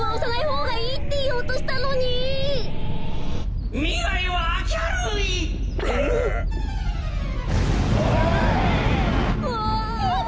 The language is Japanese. うわ。